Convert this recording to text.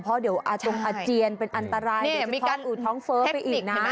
เพราะเดี๋ยวอาจงอาเจียนเป็นอันตรายเดี๋ยวมีการอูดท้องเฟ้อไปอีกนะ